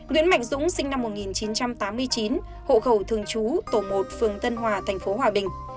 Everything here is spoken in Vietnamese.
nguyễn mạnh dũng sinh năm một nghìn chín trăm tám mươi chín hộ khẩu thường chú tổ một phường tân hòa thành phố hòa bình